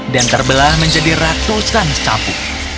dan terbelah menjadi ratusan sapu